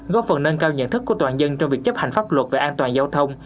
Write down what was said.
góp phần nâng cao nhận thức của toàn dân trong việc chấp hành pháp luật về an toàn giao thông